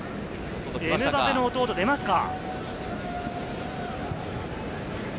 エムバペの弟、出ますか？